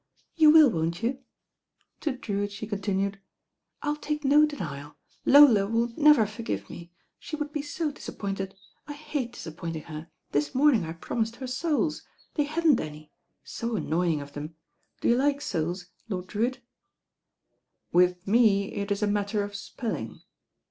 "You will, won't you?" To Drewitt she continued, "I'll take no denial. Lola would never forgpve me. She would be so disappointed. I hate disappointing her. This morning I promised her soles. They hadn't any. So annoying of them. Do you like soles, Lord Drewitt?" "With me it is a matter of spelling."